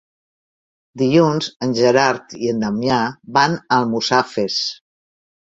Dilluns en Gerard i en Damià van a Almussafes.